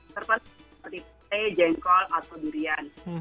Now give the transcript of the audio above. terpenuhi seperti teh jengkol atau durian